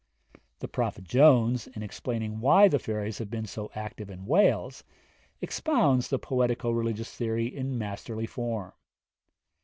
The Prophet Jones, in explaining why the fairies have been so active in Wales, expounds the poetico religious theory in masterly form.